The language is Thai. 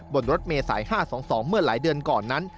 บนรถเมษาย๕๒๒เมื่อหลายเดือนก่อนนั้น